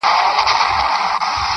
پښتین ته:-